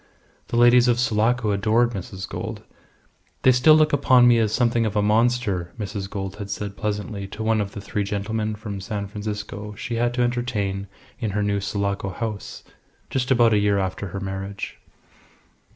The ladies of Sulaco adored Mrs. Gould. "They still look upon me as something of a monster," Mrs. Gould had said pleasantly to one of the three gentlemen from San Francisco she had to entertain in her new Sulaco house just about a year after her marriage.